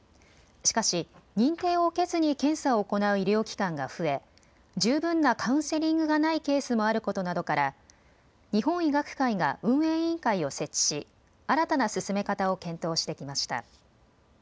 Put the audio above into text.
しかし認定を受けずに検査を行う医療機関が増え十分なカウンセリングがないケースもあることなどから日本医学会が運営委員会を設置し新たな進め方を検討してきました。